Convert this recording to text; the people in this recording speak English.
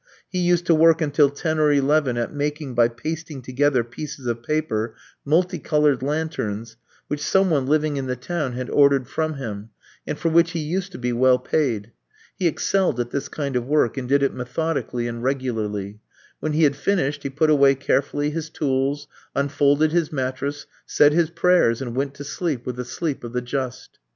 He used to work until ten or eleven at making, by pasting together pieces of paper, multicolour lanterns, which some one living in the town had ordered from him, and for which he used to be well paid. He excelled in this kind of work, and did it methodically and regularly. When he had finished he put away carefully his tools, unfolded his mattress, said his prayers, and went to sleep with the sleep of the just.